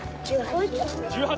１８。